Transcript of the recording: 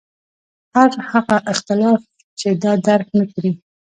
هر هغه اختلاف چې دا درک نکړي.